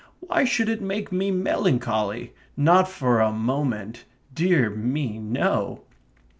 "Why should it make me melancholy? Not for a moment dear me no."